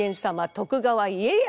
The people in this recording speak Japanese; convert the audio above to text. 徳川家康様